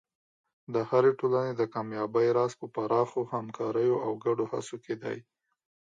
د هرې ټولنې د کامیابۍ راز په پراخو همکاریو او ګډو هڅو کې دی.